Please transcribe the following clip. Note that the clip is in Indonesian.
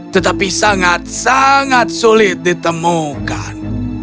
tetapi sangat sangat sulit ditemukan